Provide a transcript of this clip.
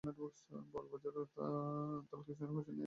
বড়োবাজারের তনসুকদাস হালওয়াইদের কাছে এদের একটা মোটা অঙ্কের দেনা।